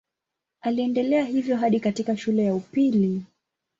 Aliendelea hivyo hadi katika shule ya upili.